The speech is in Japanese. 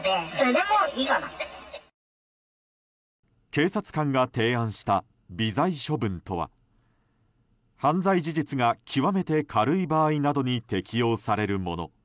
警察官が提案した微罪処分とは犯罪事実が極めて軽い場合などに適用されるもの。